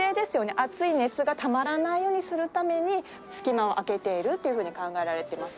熱い熱がたまらないようにするために隙間を空けているというふうに考えられてます。